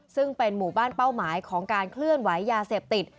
ซึ่งเป็นหมู่บ้านเป้าหมายของการเคลื่อนไหวยาเสพติด